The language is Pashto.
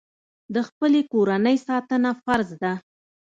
د خپلې کورنۍ ساتنه فرض ده.